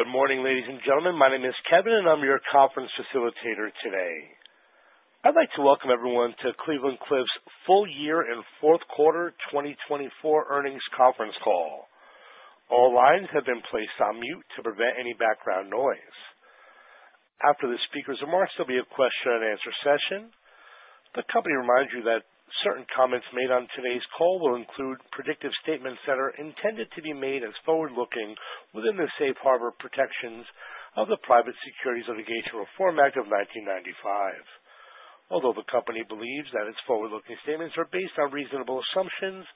Good morning, ladies and gentlemen. My name is Kevin, and I'm your conference facilitator today. I'd like to welcome everyone to Cleveland-Cliffs full year and fourth quarter 2024 earnings conference call. All lines have been placed on mute to prevent any background noise. After the speakers are marked, there'll be a question-and-answer session. The company reminds you that certain comments made on today's call will include predictive statements that are intended to be made as forward-looking within the safe harbor protections of the Private Securities Litigation Reform Act of 1995. Although the company believes that its forward-looking statements are based on reasonable assumptions,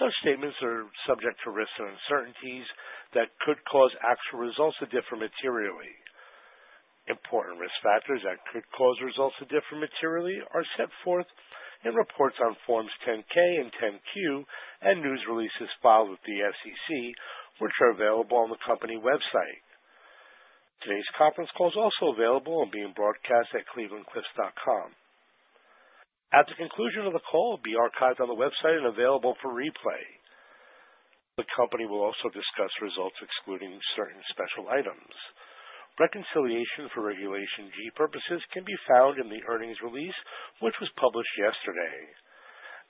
such statements are subject to risks and uncertainties that could cause actual results to differ materially. Important risk factors that could cause results to differ materially are set forth in reports on Forms 10-K and 10-Q and news releases filed with the SEC, which are available on the company website. Today's conference call is also available and being broadcast at clevelandcliffs.com. At the conclusion of the call, it will be archived on the website and available for replay. The company will also discuss results, excluding certain special items. Reconciliation for Regulation G purposes can be found in the earnings release, which was published yesterday.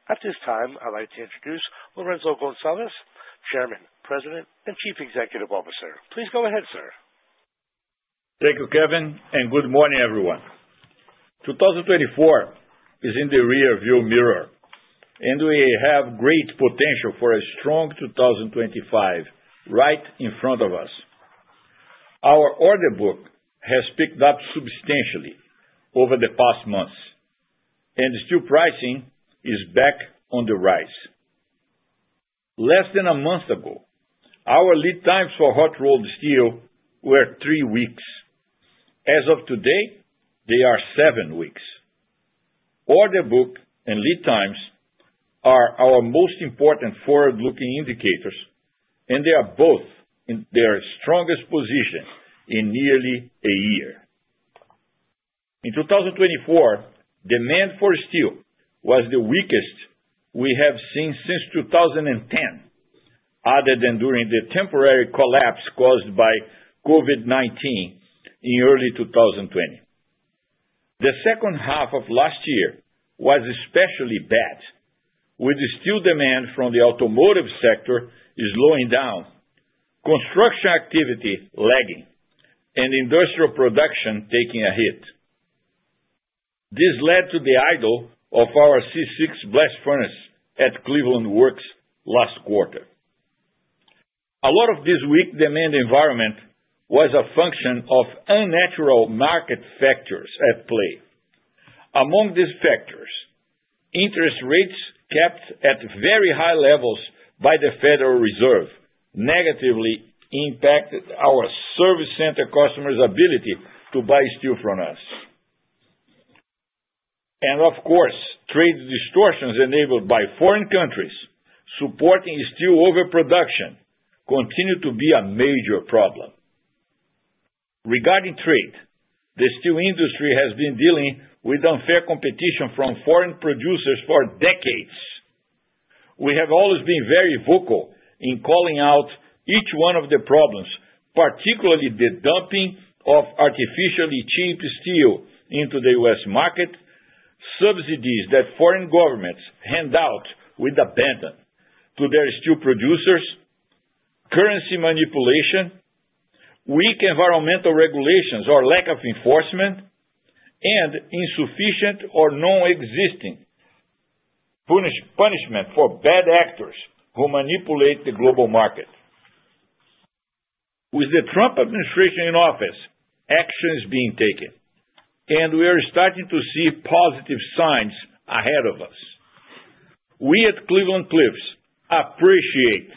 At this time, I'd like to introduce Lourenco Goncalves, Chairman, President, and Chief Executive Officer. Please go ahead, sir. Thank you, Kevin, and good morning, everyone. 2024 is in the rearview mirror, and we have great potential for a strong 2025 right in front of us. Our order book has picked up substantially over the past months, and steel pricing is back on the rise. Less than a month ago, our lead times for hot-rolled steel were three weeks. As of today, they are seven weeks. Order book and lead times are our most important forward-looking indicators, and they are both in their strongest position in nearly a year. In 2024, demand for steel was the weakest we have seen since 2010, other than during the temporary collapse caused by COVID-19 in early 2020. The second half of last year was especially bad, with the steel demand from the automotive sector slowing down, construction activity lagging, and industrial production taking a hit. This led to the idle of our C6 blast furnace at Cleveland Works last quarter. A lot of this weak demand environment was a function of unnatural market factors at play. Among these factors, interest rates kept at very high levels by the Federal Reserve negatively impacted our service center customers' ability to buy steel from us, and, of course, trade distortions enabled by foreign countries supporting steel overproduction continue to be a major problem. Regarding trade, the steel industry has been dealing with unfair competition from foreign producers for decades. We have always been very vocal in calling out each one of the problems, particularly the dumping of artificially cheap steel into the U.S. market, subsidies that foreign governments hand out with abandon to their steel producers, currency manipulation, weak environmental regulations or lack of enforcement, and insufficient or non-existing punishment for bad actors who manipulate the global market. With the Trump administration in office, action is being taken, and we are starting to see positive signs ahead of us. We at Cleveland-Cliffs appreciate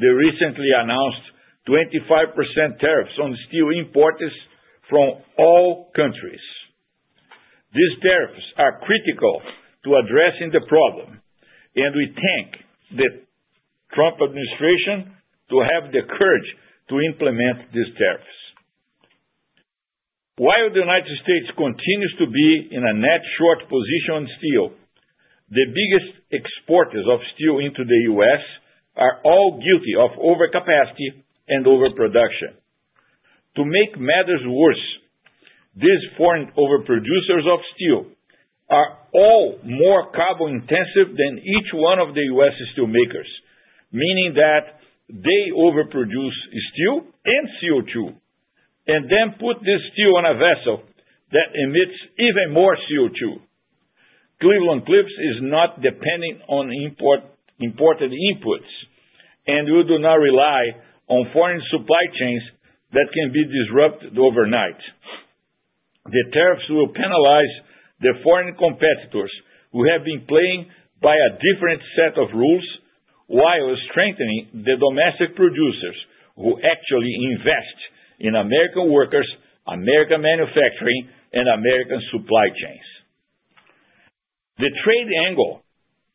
the recently announced 25% tariffs on steel imports from all countries. These tariffs are critical to addressing the problem, and we thank the Trump administration for having the courage to implement these tariffs. While the United States continues to be in a net-short position on steel, the biggest exporters of steel into the U.S. are all guilty of overcapacity and overproduction. To make matters worse, these foreign overproducers of steel are all more carbon-intensive than each one of the U.S. steelmakers, meaning that they overproduce steel and CO2 and then put this steel on a vessel that emits even more CO2. Cleveland-Cliffs is not dependent on imported inputs, and we do not rely on foreign supply chains that can be disrupted overnight. The tariffs will penalize the foreign competitors who have been playing by a different set of rules while strengthening the domestic producers who actually invest in American workers, American manufacturing, and American supply chains. The trade angle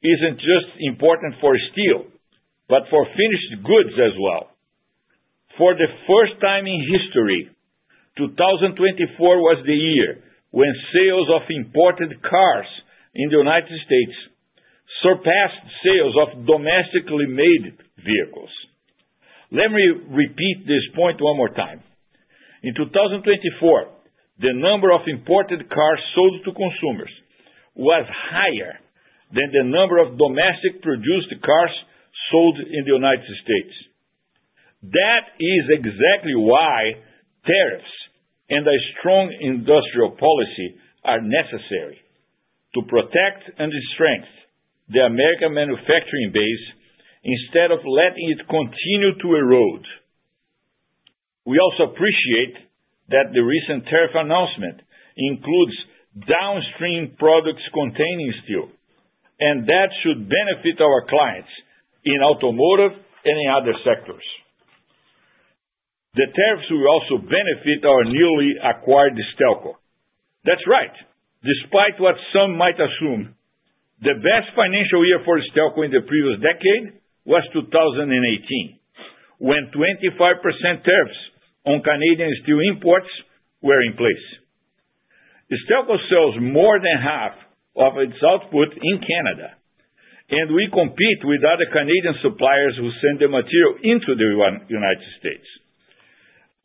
isn't just important for steel, but for finished goods as well. For the first time in history, 2024 was the year when sales of imported cars in the United States surpassed sales of domestically made vehicles. Let me repeat this point one more time. In 2024, the number of imported cars sold to consumers was higher than the number of domestically produced cars sold in the United States. That is exactly why tariffs and a strong industrial policy are necessary to protect and strengthen the American manufacturing base instead of letting it continue to erode. We also appreciate that the recent tariff announcement includes downstream products containing steel, and that should benefit our clients in automotive and in other sectors. The tariffs will also benefit our newly acquired Stelco. That's right. Despite what some might assume, the best financial year for Stelco in the previous decade was 2018, when 25% tariffs on Canadian steel imports were in place. Stelco sells more than half of its output in Canada, and we compete with other Canadian suppliers who send the material into the United States.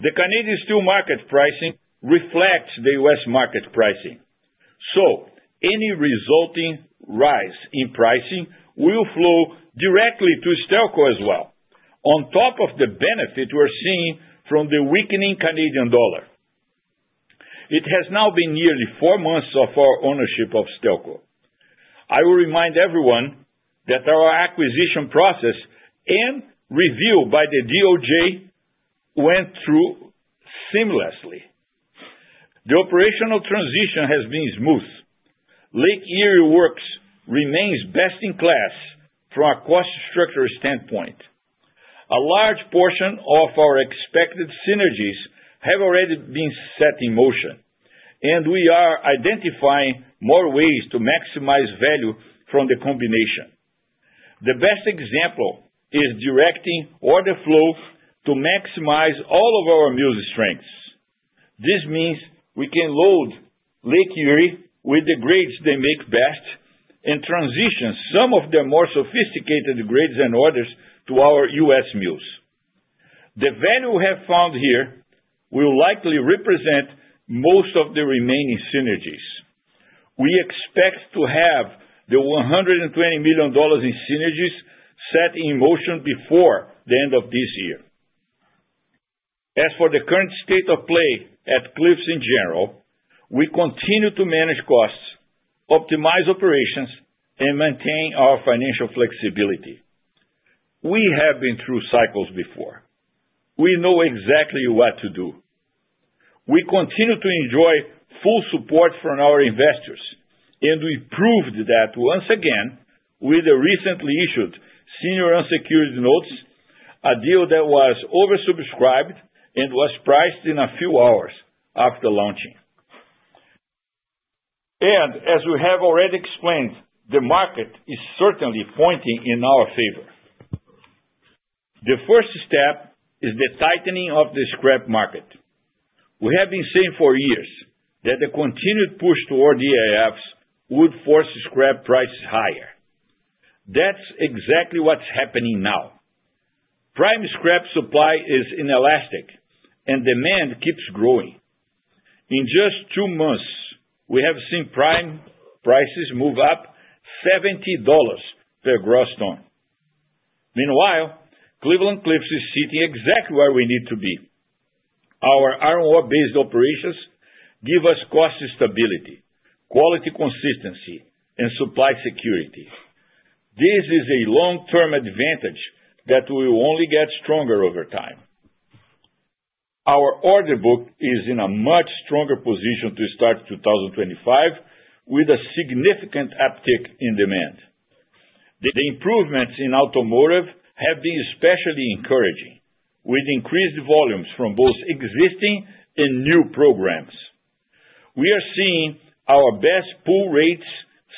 The Canadian steel market pricing reflects the U.S. market pricing, so any resulting rise in pricing will flow directly to Stelco as well, on top of the benefit we're seeing from the weakening Canadian dollar. It has now been nearly four months of our ownership of Stelco. I will remind everyone that our acquisition process and review by the DOJ went through seamlessly. The operational transition has been smooth. Lake Erie Works remains best in class from a cost structure standpoint. A large portion of our expected synergies have already been set in motion, and we are identifying more ways to maximize value from the combination. The best example is directing order flow to maximize all of our mills' strengths. This means we can load Lake Erie with the grades they make best and transition some of their more sophisticated grades and orders to our U.S. mills. The value we have found here will likely represent most of the remaining synergies. We expect to have the $120 million in synergies set in motion before the end of this year. As for the current state of play at Cliffs in general, we continue to manage costs, optimize operations, and maintain our financial flexibility. We have been through cycles before. We know exactly what to do. We continue to enjoy full support from our investors, and we proved that once again with the recently issued senior unsecured notes, a deal that was oversubscribed and was priced in a few hours after launching, and as we have already explained, the market is certainly pointing in our favor. The first step is the tightening of the scrap market. We have been saying for years that the continued push toward EAFs would force scrap prices higher. That's exactly what's happening now. Prime scrap supply is inelastic, and demand keeps growing. In just two months, we have seen prime prices move up $70 per gross ton. Meanwhile, Cleveland-Cliffs is sitting exactly where we need to be. Our iron ore-based operations give us cost stability, quality consistency, and supply security. This is a long-term advantage that will only get stronger over time. Our order book is in a much stronger position to start 2025 with a significant uptick in demand. The improvements in automotive have been especially encouraging, with increased volumes from both existing and new programs. We are seeing our best pull rates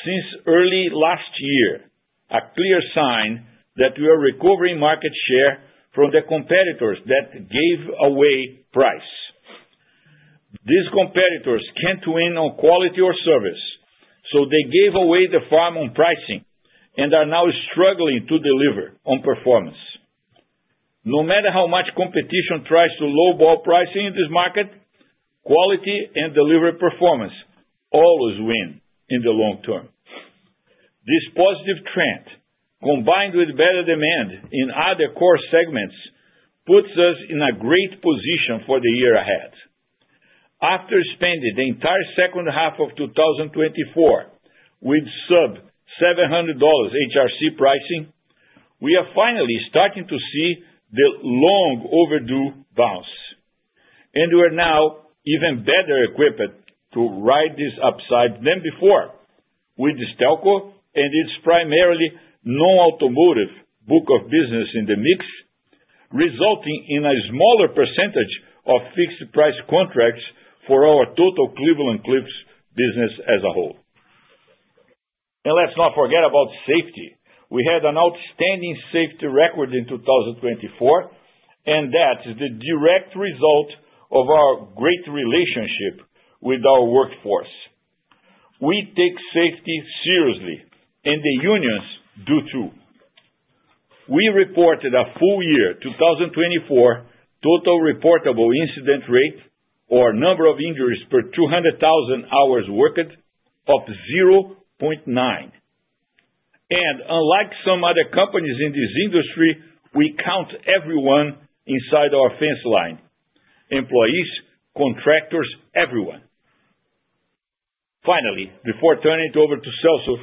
since early last year, a clear sign that we are recovering market share from the competitors that gave away price. These competitors can't win on quality or service, so they gave away the farm on pricing and are now struggling to deliver on performance. No matter how much competition tries to lowball pricing in this market, quality and delivery performance always win in the long term. This positive trend, combined with better demand in other core segments, puts us in a great position for the year ahead. After spending the entire second half of 2024 with sub-$700 HRC pricing, we are finally starting to see the long overdue bounce, and we are now even better equipped to ride this upside than before with Stelco and its primarily non-automotive book of business in the mix, resulting in a smaller percentage of fixed price contracts for our total Cleveland-Cliffs business as a whole. Let's not forget about safety. We had an outstanding safety record in 2024, and that is the direct result of our great relationship with our workforce. We take safety seriously, and the unions do too. We reported a full year 2024 total reportable incident rate or number of injuries per 200,000 hours worked of 0.9. Unlike some other companies in this industry, we count everyone inside our fence line: employees, contractors, everyone. Finally, before turning it over to Celso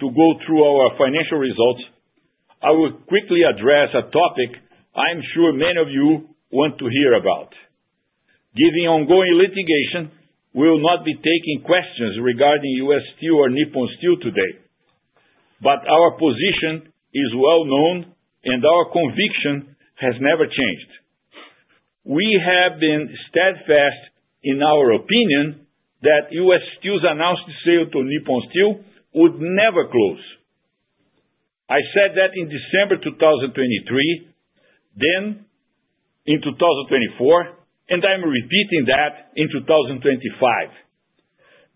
to go through our financial results, I will quickly address a topic I'm sure many of you want to hear about. Given ongoing litigation, we will not be taking questions regarding US Steel or Nippon Steel today, but our position is well known, and our conviction has never changed. We have been steadfast in our opinion that US Steel's announced sale to Nippon Steel would never close. I said that in December 2023, then in 2024, and I'm repeating that in 2025.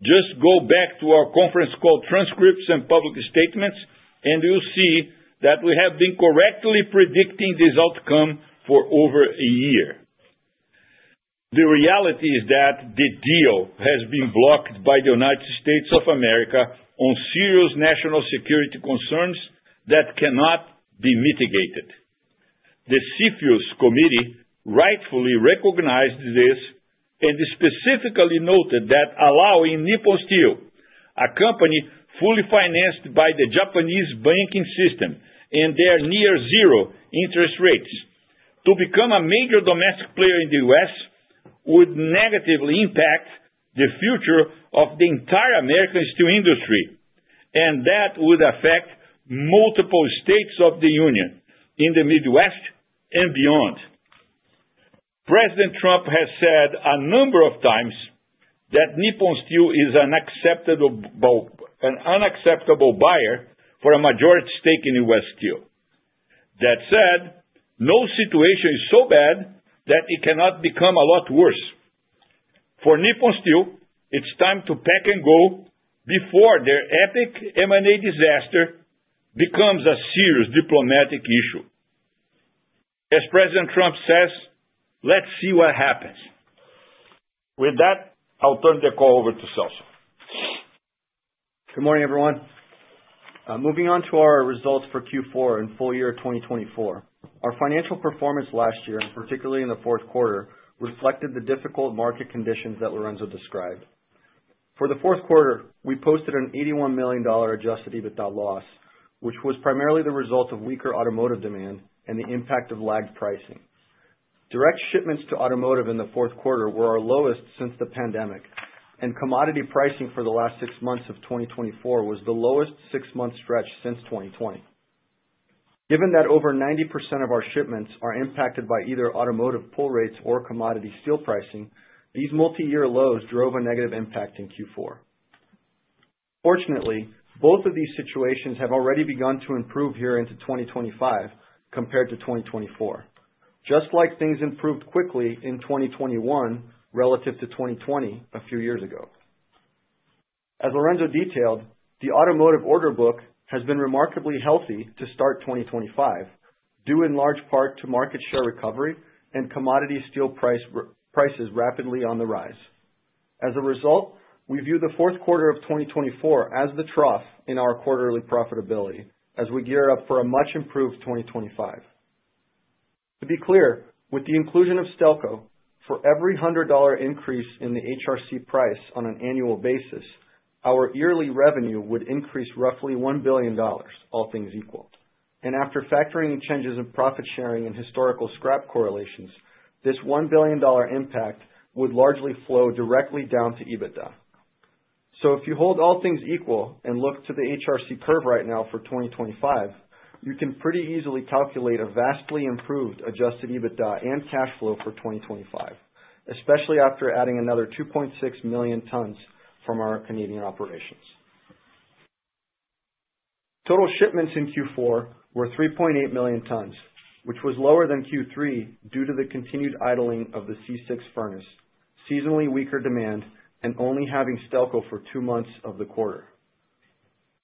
Just go back to our conference call Transcripts and Public Statements, and you'll see that we have been correctly predicting this outcome for over a year. The reality is that the deal has been blocked by the United States of America on serious national security concerns that cannot be mitigated. The CFIUS Committee rightfully recognized this and specifically noted that allowing Nippon Steel, a company fully financed by the Japanese banking system and their near-zero interest rates, to become a major domestic player in the U.S. would negatively impact the future of the entire American steel industry, and that would affect multiple states of the Union in the Midwest and beyond. President Trump has said a number of times that Nippon Steel is an unacceptable buyer for a majority stake in US Steel. That said, no situation is so bad that it cannot become a lot worse. For Nippon Steel, it's time to pack and go before their epic M&A disaster becomes a serious diplomatic issue. As President Trump says, let's see what happens. With that, I'll turn the call over to Celso. Good morning, everyone. Moving on to our results for Q4 in full year 2024, our financial performance last year, and particularly in the fourth quarter, reflected the difficult market conditions that Lourenco described. For the fourth quarter, we posted an $81 million adjusted EBITDA loss, which was primarily the result of weaker automotive demand and the impact of lagged pricing. Direct shipments to automotive in the fourth quarter were our lowest since the pandemic, and commodity pricing for the last six months of 2024 was the lowest six-month stretch since 2020. Given that over 90% of our shipments are impacted by either automotive pull rates or commodity steel pricing, these multi-year lows drove a negative impact in Q4. Fortunately, both of these situations have already begun to improve here into 2025 compared to 2024, just like things improved quickly in 2021 relative to 2020 a few years ago. As Lourenco detailed, the automotive order book has been remarkably healthy to start 2025, due in large part to market share recovery and commodity steel prices rapidly on the rise. As a result, we view the fourth quarter of 2024 as the trough in our quarterly profitability as we gear up for a much improved 2025. To be clear, with the inclusion of Stelco, for every $100 increase in the HRC price on an annual basis, our yearly revenue would increase roughly $1 billion, all things equal. And after factoring changes in profit sharing and historical scrap correlations, this $1 billion impact would largely flow directly down to EBITDA. If you hold all things equal and look to the HRC curve right now for 2025, you can pretty easily calculate a vastly improved adjusted EBITDA and cash flow for 2025, especially after adding another 2.6 million tons from our Canadian operations. Total shipments in Q4 were 3.8 million tons, which was lower than Q3 due to the continued idling of the C6 furnace, seasonally weaker demand, and only having Stelco for two months of the quarter.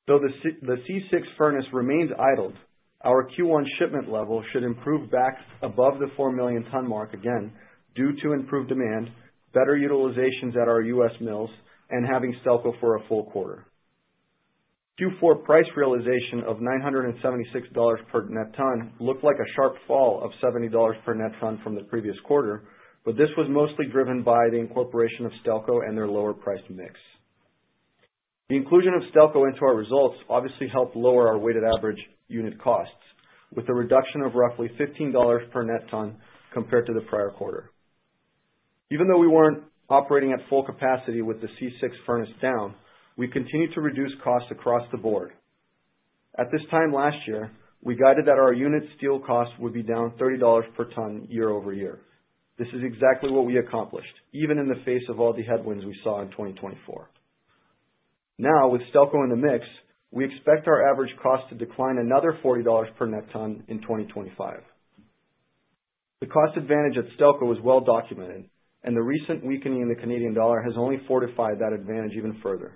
Though the C6 furnace remained idled, our Q1 shipment level should improve back above the 4 million ton mark again due to improved demand, better utilizations at our U.S. mills, and having Stelco for a full quarter. Q4 price realization of $976 per net ton looked like a sharp fall of $70 per net ton from the previous quarter, but this was mostly driven by the incorporation of Stelco and their lower price mix. The inclusion of Stelco into our results obviously helped lower our weighted average unit costs with a reduction of roughly $15 per net ton compared to the prior quarter. Even though we weren't operating at full capacity with the C6 furnace down, we continued to reduce costs across the board. At this time last year, we guided that our unit steel costs would be down $30 per ton year over year. This is exactly what we accomplished, even in the face of all the headwinds we saw in 2024. Now, with Stelco in the mix, we expect our average cost to decline another $40 per net ton in 2025. The cost advantage at Stelco is well documented, and the recent weakening in the Canadian dollar has only fortified that advantage even further.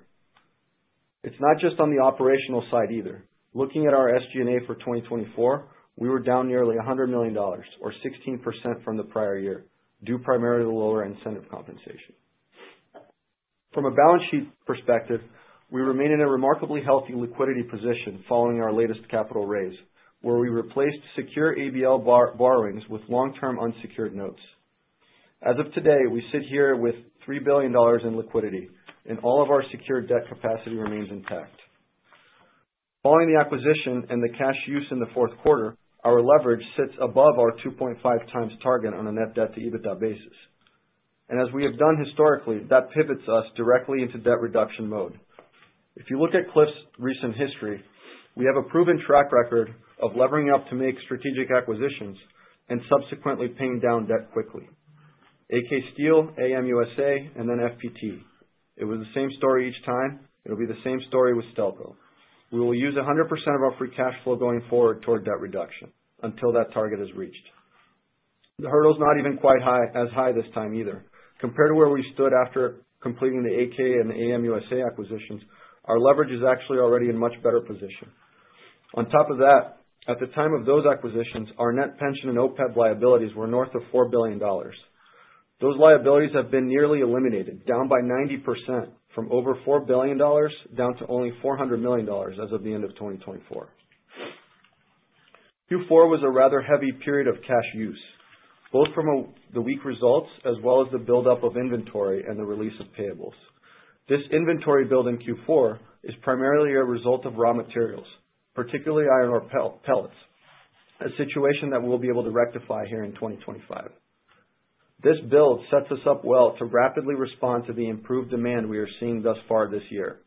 It's not just on the operational side either. Looking at our SG&A for 2024, we were down nearly $100 million, or 16% from the prior year, due primarily to lower incentive compensation. From a balance sheet perspective, we remain in a remarkably healthy liquidity position following our latest capital raise, where we replaced secure ABL borrowings with long-term unsecured notes. As of today, we sit here with $3 billion in liquidity, and all of our secured debt capacity remains intact. Following the acquisition and the cash use in the fourth quarter, our leverage sits above our 2.5 times target on a net debt to EBITDA basis. And as we have done historically, that pivots us directly into debt reduction mode. If you look at Cliffs' recent history, we have a proven track record of levering up to make strategic acquisitions and subsequently paying down debt quickly: AK Steel, AMUSA, and then FPT. It was the same story each time. It'll be the same story with Stelco. We will use 100% of our free cash flow going forward toward debt reduction until that target is reached. The hurdle's not even quite as high this time either. Compared to where we stood after completing the AK and the AMUSA acquisitions, our leverage is actually already in a much better position. On top of that, at the time of those acquisitions, our net pension and OPEB liabilities were north of $4 billion. Those liabilities have been nearly eliminated, down by 90% from over $4 billion down to only $400 million as of the end of 2024. Q4 was a rather heavy period of cash use, both from the weak results as well as the buildup of inventory and the release of payables. This inventory build in Q4 is primarily a result of raw materials, particularly iron ore pellets, a situation that we'll be able to rectify here in 2025. This build sets us up well to rapidly respond to the improved demand we are seeing thus far this year.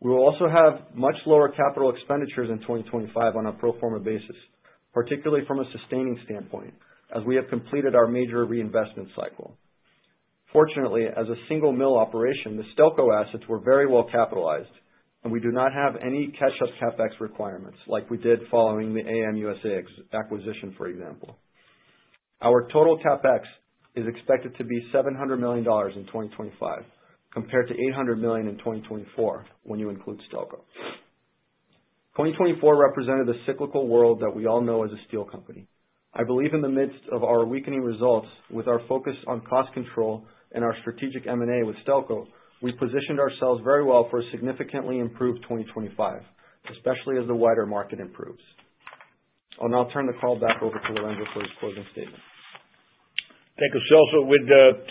We will also have much lower capital expenditures in 2025 on a pro forma basis, particularly from a sustaining standpoint, as we have completed our major reinvestment cycle. Fortunately, as a single mill operation, the Stelco assets were very well capitalized, and we do not have any catch-up CapEx requirements like we did following the AMUSA acquisition, for example. Our total CapEx is expected to be $700 million in 2025, compared to $800 million in 2024 when you include Stelco. 2024 represented a cyclical world that we all know as a steel company. I believe in the midst of our weakening results, with our focus on cost control and our strategic M&A with Stelco, we positioned ourselves very well for a significantly improved 2025, especially as the wider market improves. I'll now turn the call back over to Lourenco for his closing statement. Thank you, Celso. With 2024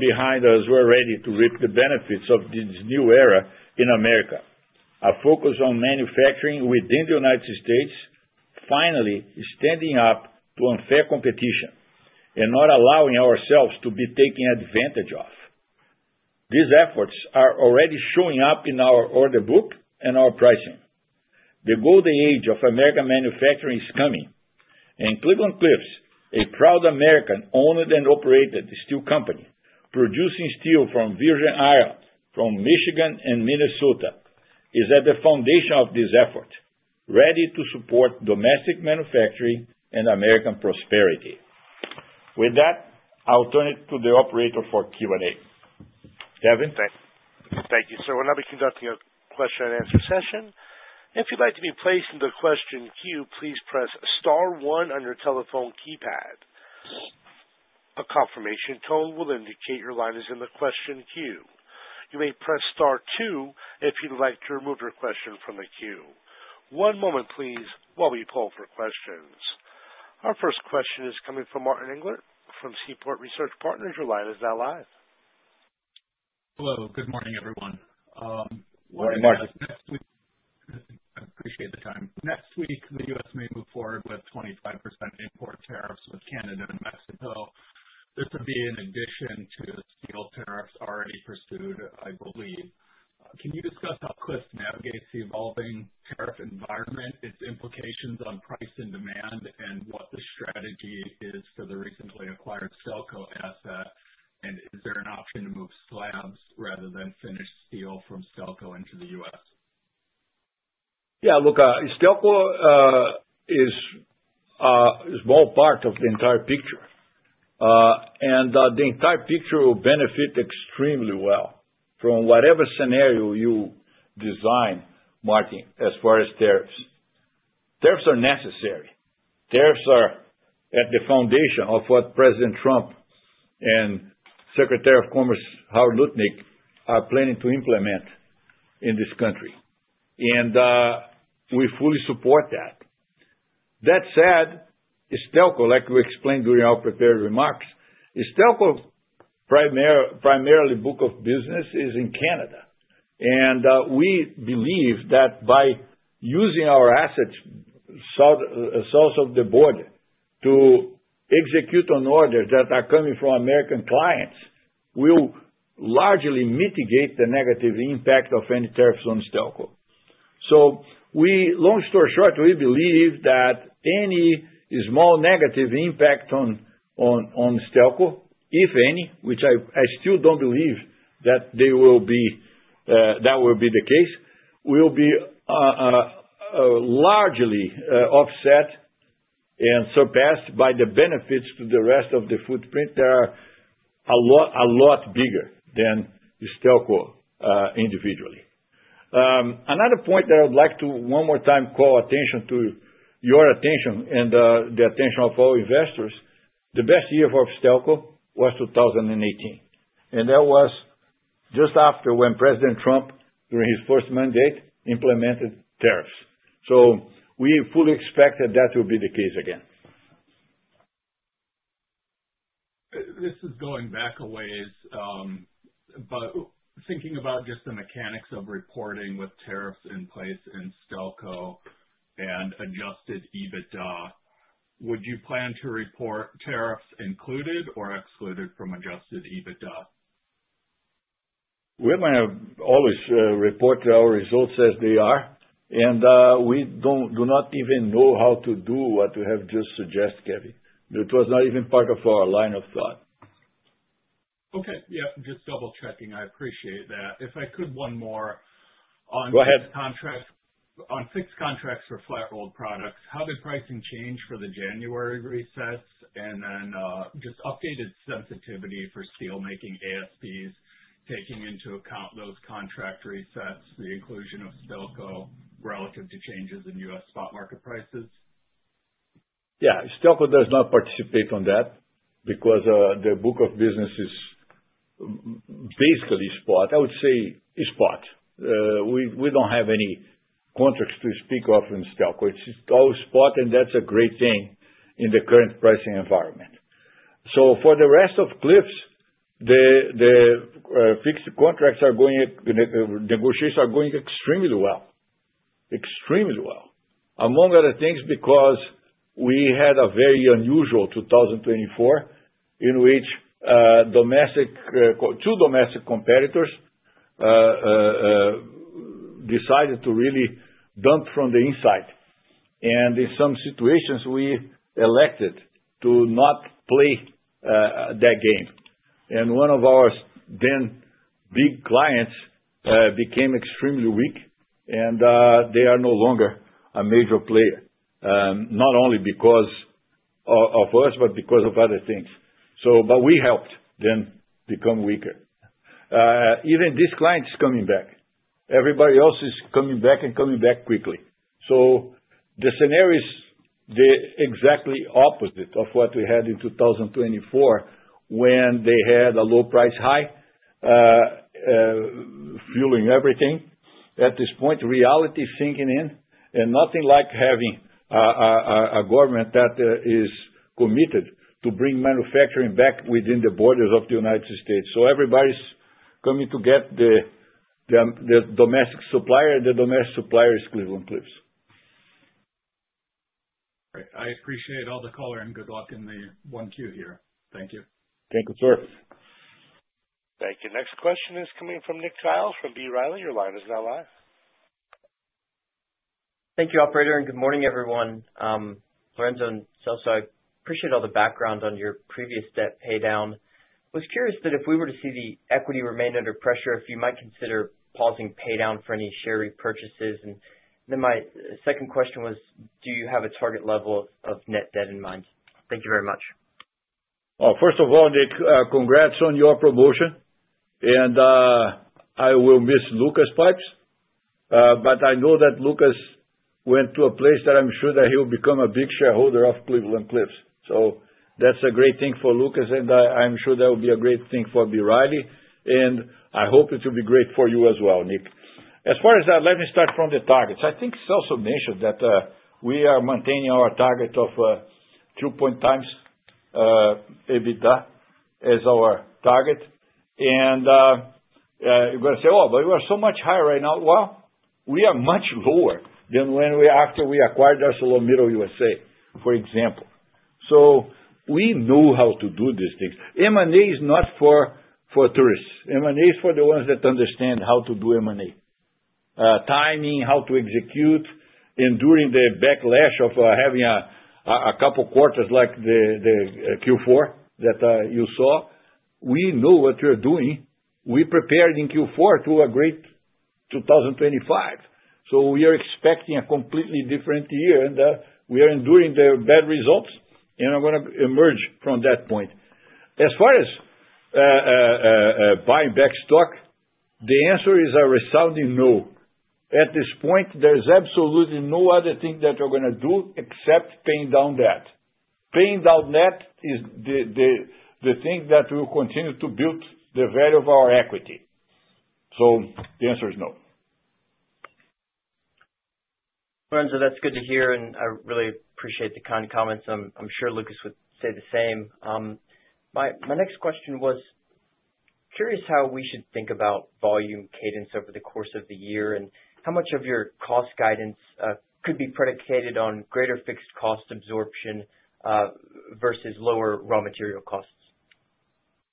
behind us, we're ready to reap the benefits of this new era in America. Our focus on manufacturing within the United States finally is standing up to unfair competition and not allowing ourselves to be taken advantage of. These efforts are already showing up in our order book and our pricing. The golden age of American manufacturing is coming. Cleveland-Cliffs, a proud American-owned and operated steel company, producing steel from Virgin Islands, from Michigan and Minnesota, is at the foundation of this effort, ready to support domestic manufacturing and American prosperity. With that, I'll turn it to the Operator for Q&A. Kevin. Thank you. So we'll now be conducting a question-and-answer session. If you'd like to be placed in the question queue, please press Star 1 on your telephone keypad. A confirmation tone will indicate your line is in the question queue. You may press Star 2 if you'd like to remove your question from the queue. One moment, please, while we pull up your questions. Our first question is coming from Martin Englert from Seaport Research Partners. Your line is now live. Hello. Good morning, everyone. Morning, Martin. I appreciate the time. Next week, the U.S. may move forward with 25% import tariffs with Canada and Mexico. This would be in addition to steel tariffs already pursued, I believe. Can you discuss how Cliffs navigates the evolving tariff environment, its implications on price and demand, and what the strategy is for the recently acquired Stelco asset? And is there an option to move slabs rather than finished steel from Stelco into the U.S.? Yeah. Look, Stelco is all part of the entire picture. And the entire picture will benefit extremely well from whatever scenario you design, Martin, as far as tariffs. Tariffs are necessary. Tariffs are at the foundation of what President Trump and Secretary of Commerce Howard Lutnick are planning to implement in this country. And we fully support that. That said, Stelco, like we explained during our prepared remarks, Stelco's primary book of business is in Canada. And we believe that by using our assets south of the border to execute on orders that are coming from American clients, we'll largely mitigate the negative impact of any tariffs on Stelco. So long story short, we believe that any small negative impact on Stelco, if any, which I still don't believe that will be the case, will be largely offset and surpassed by the benefits to the rest of the footprint that are a lot bigger than Stelco individually. Another point that I would like to one more time call your attention and the attention of all investors, the best year for Stelco was 2018. And that was just after when President Trump, during his first mandate, implemented tariffs. So we fully expect that that will be the case again. This is going back a ways, but thinking about just the mechanics of reporting with tariffs in place in Stelco and adjusted EBITDA, would you plan to report tariffs included or excluded from adjusted EBITDA? We're going to always report our results as they are, and we do not even know how to do what you have just suggested, Martin. It was not even part of our line of thought. Okay. Yep. Just double-checking. I appreciate that. If I could, one more on fixed contracts. Go ahead. On fixed contracts for flat-rolled products, how did pricing change for the January resets and then just updated sensitivity for steelmaking ASPs taking into account those contract resets, the inclusion of Stelco relative to changes in U.S. spot market prices? Yeah. Stelco does not participate on that because the book of business is basically spot. I would say it's spot. We don't have any contracts to speak of in Stelco. It's all spot, and that's a great thing in the current pricing environment. So for the rest of Cliffs, the fixed contracts are going. Negotiations are going extremely well. Extremely well. Among other things, because we had a very unusual 2024 in which two domestic competitors decided to really dump from the inside. And in some situations, we elected to not play that game. And one of our then big clients became extremely weak, and they are no longer a major player, not only because of us, but because of other things. But we helped them become weaker. Even this client is coming back. Everybody else is coming back and coming back quickly. So the scenario is the exactly opposite of what we had in 2024 when they had a low price high fueling everything. At this point, reality is sinking in, and nothing like having a government that is committed to bring manufacturing back within the borders of the United States. So everybody's coming to get the domestic supplier, and the domestic supplier is Cleveland-Cliffs. All right. I appreciate all the color and good luck in the 1Q here. Thank you. Thank you, sir. Thank you. Next question is coming from Nick Kyle from B. Riley. Your line is now live. Thank you, Operator. And good morning, everyone. Lourenco and Celso, I appreciate all the background on your previous debt paydown. I was curious that if we were to see the equity remain under pressure, if you might consider pausing paydown for any share repurchases. And then my second question was, do you have a target level of net debt in mind? Thank you very much. Well, first of all, Nick, congrats on your promotion. And I will miss Lucas Pipes, but I know that Lucas went to a place that I'm sure that he'll become a big shareholder of Cleveland-Cliffs. So that's a great thing for Lucas, and I'm sure that will be a great thing for B. Riley. And I hope it will be great for you as well, Nick. As far as that, let me start from the targets. I think Celso mentioned that we are maintaining our target of 2.0x EBITDA as our target. And you're going to say, "Oh, but you are so much higher right now." Well, we are much lower than after we acquired ArcelorMittal USA, for example. So we know how to do these things. M&A is not for tourists. M&A is for the ones that understand how to do M&A, timing, how to execute, enduring the backlash of having a couple quarters like the Q4 that you saw. We know what we're doing. We prepared in Q4 to a great 2025. So we are expecting a completely different year, and we are enduring the bad results, and we're going to emerge from that point. As far as buying back stock, the answer is a resounding no. At this point, there's absolutely no other thing that we're going to do except paying down debt. Paying down debt is the thing that will continue to build the value of our equity. So the answer is no. Lourenco, that's good to hear, and I really appreciate the kind comments. I'm sure Lucas would say the same. My next question was, curious how we should think about volume cadence over the course of the year and how much of your cost guidance could be predicated on greater fixed cost absorption versus lower raw material costs.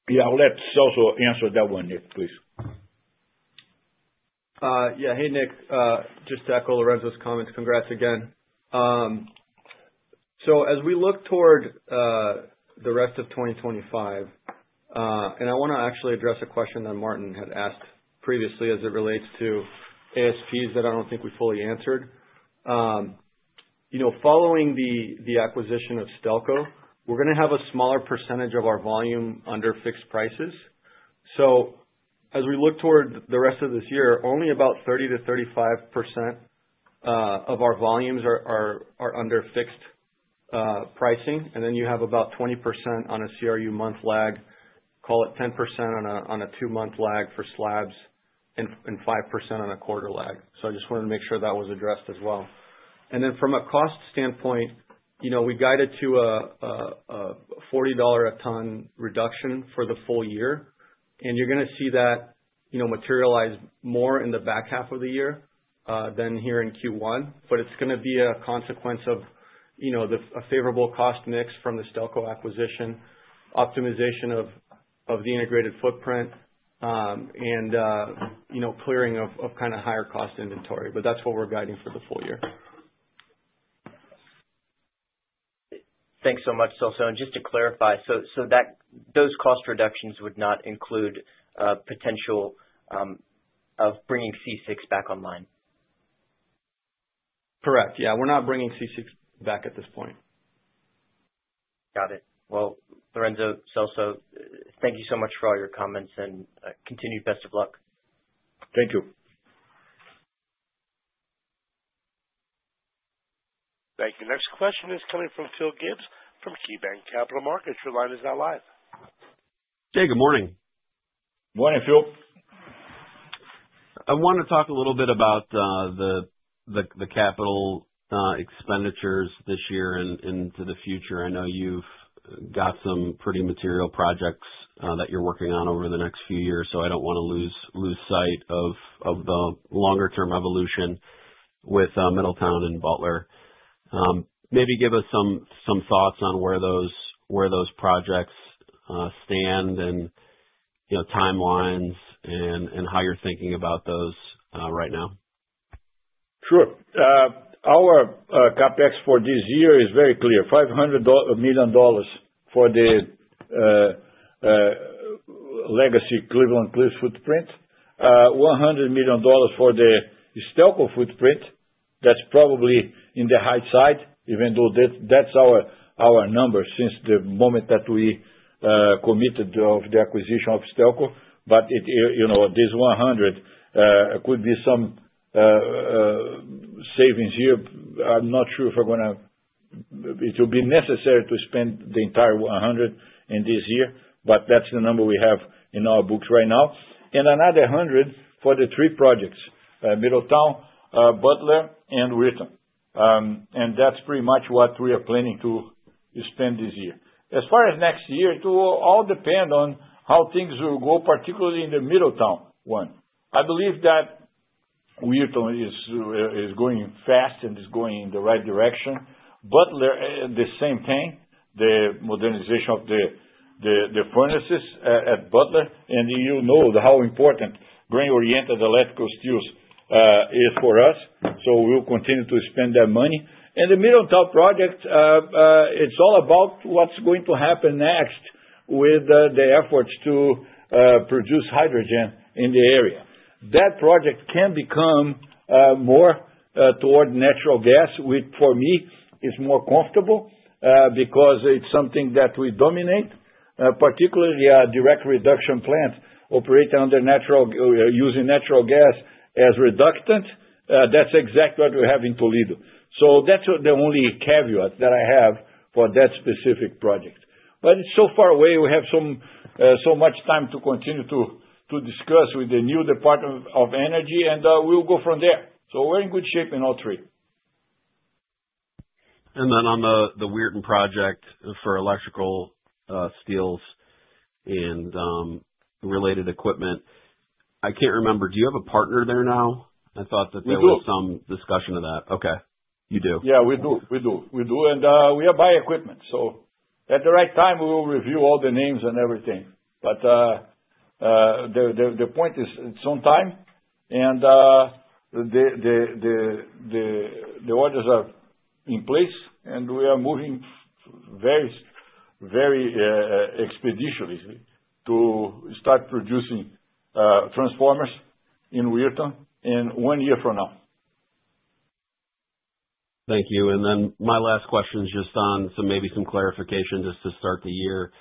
Yeah. Let Celso answer that one, Nick, please. Yeah. Hey, Nick, just to echo Lourenco's comments, congrats again. So as we look toward the rest of 2025, and I want to actually address a question that Martin had asked previously as it relates to ASPs that I don't think we fully answered. Following the acquisition of Stelco, we're going to have a smaller percentage of our volume under fixed prices. So as we look toward the rest of this year, only about 30%-35% of our volumes are under fixed pricing. And then you have about 20% on a CRU month lag, call it 10% on a two-month lag for slabs, and 5% on a quarter lag. So I just wanted to make sure that was addressed as well. And then from a cost standpoint, we guided to a $40 a ton reduction for the full year. And you're going to see that materialize more in the back half of the year than here in Q1, but it's going to be a consequence of a favorable cost mix from the Stelco acquisition, optimization of the integrated footprint, and clearing of kind of higher cost inventory. But that's what we're guiding for the full year. Thanks so much, Celso. And just to clarify, so those cost reductions would not include potential of bringing C6 back online? Correct. Yeah. We're not bringing C6 back at this point. Got it. Lourenco, Celso, thank you so much for all your comments and continued best of luck. Thank you. Thank you. Next question is coming from Phil Gibbs from KeyBanc Capital Markets. Your line is now live. Hey, good morning. Morning, Phil. I want to talk a little bit about the capital expenditures this year and into the future. I know you've got some pretty material projects that you're working on over the next few years, so I don't want to lose sight of the longer-term evolution with Middletown and Butler. Maybe give us some thoughts on where those projects stand and timelines and how you're thinking about those right now. Sure. Our CapEx for this year is very clear: $500 million for the legacy Cleveland-Cliffs footprint, $100 million for the Stelco footprint. That's probably on the high side, even though that's our number since the moment that we committed to the acquisition of Stelco, but this 100 could be some savings here. I'm not sure if it will be necessary to spend the entire 100 in this year, but that's the number we have in our books right now, and another 100 for the three projects: Middletown, Butler, and Weirton. And that's pretty much what we are planning to spend this year. As far as next year, it will all depend on how things will go, particularly in the Middletown one. I believe that Weirton is going fast and is going in the right direction. Butler, the same thing, the modernization of the furnaces at Butler, and you know how important grain-oriented electrical steels is for us, so we'll continue to spend that money. The Middletown project, it's all about what's going to happen next with the efforts to produce hydrogen in the area. That project can become more toward natural gas, which for me is more comfortable because it's something that we dominate, particularly a direct reduction plant operating under natural using natural gas as reductant. That's exactly what we're having to build. That's the only caveat that I have for that specific project. But it's so far away. We have so much time to continue to discuss with the new Department of Energy, and we'll go from there. We're in good shape in all three. Then on the Weirton project for electrical steels and related equipment, I can't remember. Do you have a partner there now? I thought that there was some discussion of that. Okay. You do. Yeah, we do. We do. We do. We are buying equipment. So at the right time, we will review all the names and everything. But the point is it's on time, and the orders are in place, and we are moving very expeditiously to start producing transformers in Weirton in one year from now. Thank you. And then my last question is just on maybe some clarification just to start the year.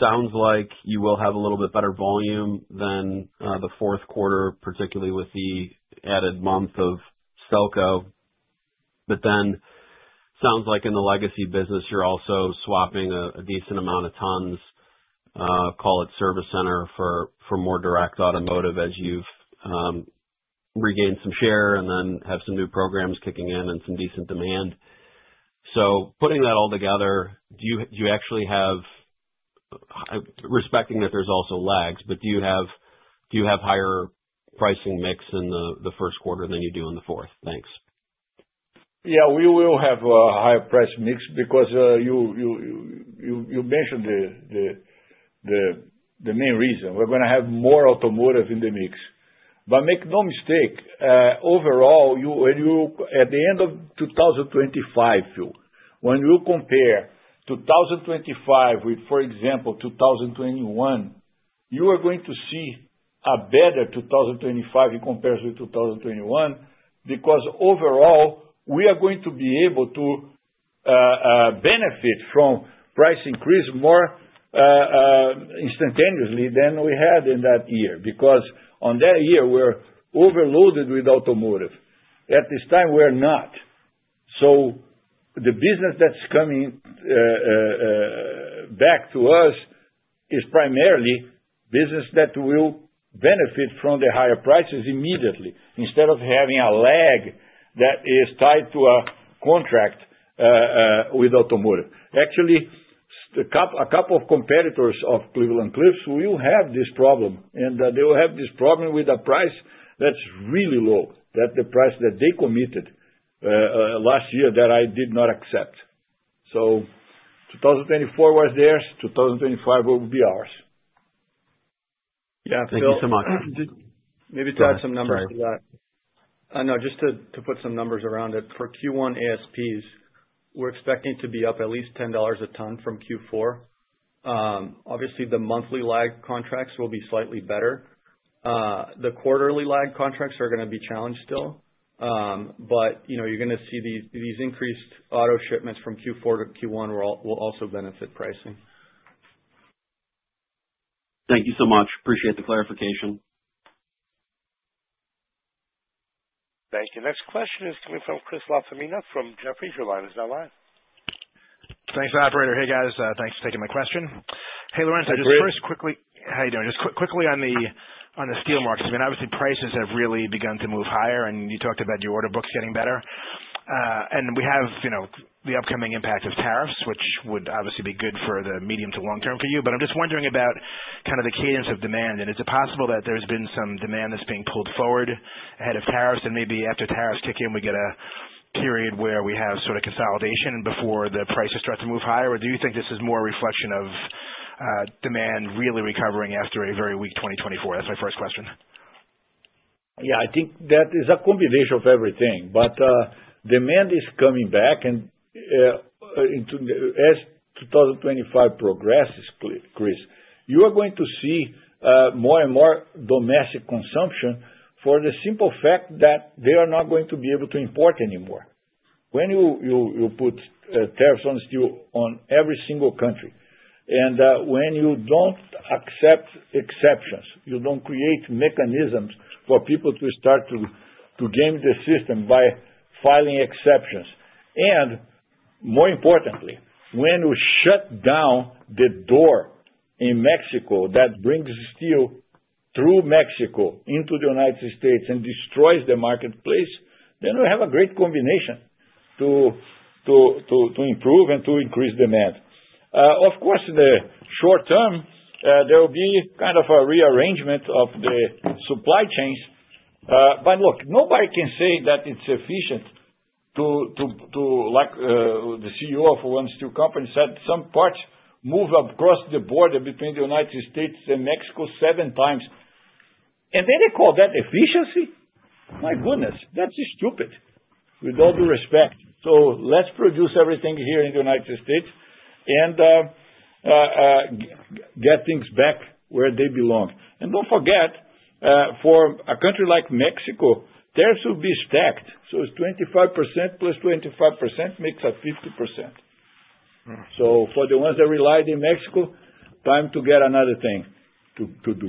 Sounds like you will have a little bit better volume than the fourth quarter, particularly with the added month of Stelco. But then sounds like in the legacy business, you're also swapping a decent amount of tons, call it service center, for more direct automotive as you've regained some share and then have some new programs kicking in and some decent demand. So putting that all together, do you actually have, respecting that there's also lags, but do you have higher pricing mix in the first quarter than you do in the fourth? Thanks. Yeah. We will have a higher price mix because you mentioned the main reason. We're going to have more automotive in the mix. But make no mistake, overall, at the end of 2025, Phil. When you compare 2025 with, for example, 2021, you are going to see a better 2025 in comparison to 2021 because overall, we are going to be able to benefit from price increase more instantaneously than we had in that year because on that year, we were overloaded with automotive. At this time, we're not. So the business that's coming back to us is primarily business that will benefit from the higher prices immediately instead of having a lag that is tied to a contract with automotive. Actually, a couple of competitors of Cleveland-Cliffs will have this problem, and they will have this problem with a price that's really low, the price that they committed last year that I did not accept. So 2024 was theirs. 2025 will be ours. Yeah. Thank you so much. Maybe to add some numbers to that. No, just to put some numbers around it. For Q1 ASPs, we're expecting to be up at least $10 a ton from Q4. Obviously, the monthly lag contracts will be slightly better. The quarterly lag contracts are going to be challenged still, but you're going to see these increased auto shipments from Q4 to Q1 will also benefit pricing. Thank you so much. Appreciate the clarification. Thank you. Next question is coming from Chris LaFemina from Jefferies. Is that live? Thanks, Operator. Hey, guys. Thanks for taking my question. Hey, Lourenco. Just first, quickly. How are you doing? Just quickly on the steel markets. I mean, obviously, prices have really begun to move higher, and you talked about your order books getting better. And we have the upcoming impact of tariffs, which would obviously be good for the medium to long term for you. But I'm just wondering about kind of the cadence of demand. And is it possible that there's been some demand that's being pulled forward ahead of tariffs? And maybe after tariffs kick in, we get a period where we have sort of consolidation before the prices start to move higher? Or do you think this is more a reflection of demand really recovering after a very weak 2024? That's my first question. Yeah. I think that is a combination of everything. But demand is coming back. And as 2025 progresses, Chris, you are going to see more and more domestic consumption for the simple fact that they are not going to be able to import anymore. When you put tariffs on steel on every single country, and when you don't accept exceptions, you don't create mechanisms for people to start to game the system by filing exceptions. And more importantly, when you shut down the door in Mexico that brings steel through Mexico into the United States and destroys the marketplace, then we have a great combination to improve and to increase demand. Of course, in the short term, there will be kind of a rearrangement of the supply chains. But look, nobody can say that it's efficient. The CEO of one steel company said some parts move across the border between the United States and Mexico seven times. And then they call that efficiency? My goodness, that's stupid, with all due respect. So let's produce everything here in the United States and get things back where they belong. And don't forget, for a country like Mexico, tariffs will be stacked. So it's 25% plus 25% makes a 50%. So for the ones that relied on Mexico, time to get another thing to do.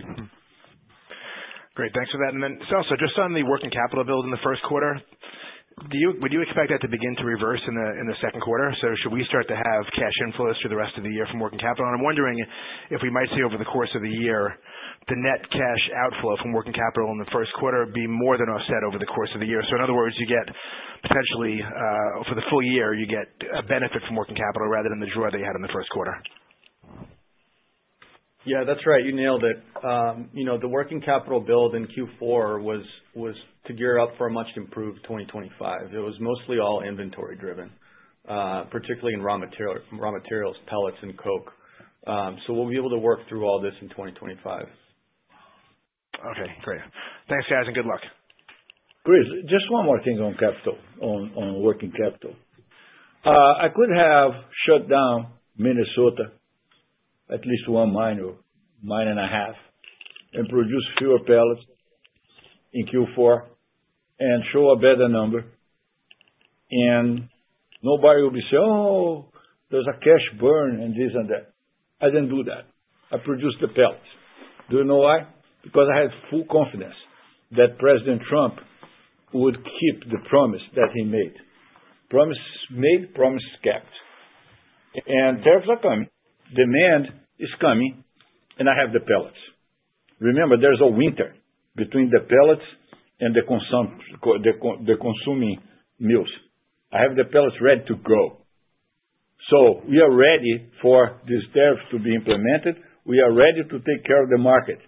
Great. Thanks for that. And then, Celso, just on the working capital build in the first quarter, would you expect that to begin to reverse in the second quarter? So should we start to have cash inflows through the rest of the year from working capital? I'm wondering if we might see over the course of the year the net cash outflow from working capital in the first quarter be more than offset over the course of the year. So in other words, you get potentially, for the full year, you get a benefit from working capital rather than the draw that you had in the first quarter. Yeah, that's right. You nailed it. The working capital build in Q4 was to gear up for a much improved 2025. It was mostly all inventory-driven, particularly in raw materials, pellets, and coke. So we'll be able to work through all this in 2025. Okay. Great. Thanks, guys, and good luck. Chris, just one more thing on capital, on working capital. I could have shut down Minnesota, at least one mine or mine and a half, and produce fewer pellets in Q4 and show a better number. And nobody will be saying, "Oh, there's a cash burn and this and that." I didn't do that. I produced the pellets. Do you know why? Because I had full confidence that President Trump would keep the promise that he made. Promise made, promise kept. And tariffs are coming. Demand is coming. And I have the pellets. Remember, there's a winter between the pellets and the consuming mills. I have the pellets ready to grow. So we are ready for these tariffs to be implemented. We are ready to take care of the market.